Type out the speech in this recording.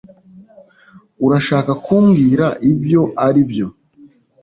Urashaka kumbwira ibyo aribyo?